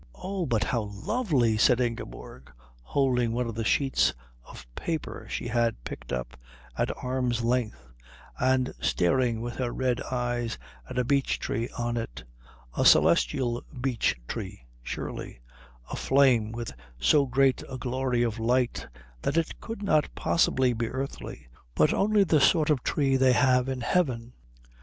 "Oh, but how lovely!" said Ingeborg, holding one of the sheets of paper she had picked up at arm's length and staring with her red eyes at a beech tree on it, a celestial beech tree surely, aflame with so great a glory of light that it could not possibly be earthly but only the sort of tree they have in heaven.